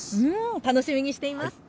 楽しみにしています。